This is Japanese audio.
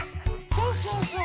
そうそうそう。